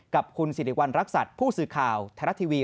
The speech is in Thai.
กับคุณสิริวัณรักษัตริย์ผู้สื่อข่าวไทยรัฐทีวี